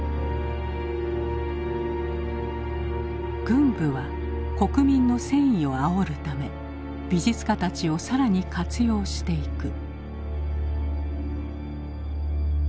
軍部は国民の戦意をあおるため美術家たちを更に活用していく。